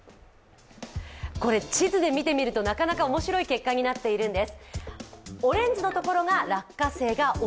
これ、地図で見てみると、なかなか面白い結果になっているんです。